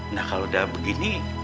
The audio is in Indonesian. nah kalau udah begini